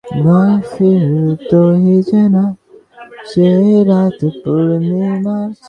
প্রসঙ্গক্রমে স্বামীজী বলিলেন ইংলণ্ড থেকে আসবার সময় পথে বড় এক মজার স্বপ্ন দেখেছিলুম।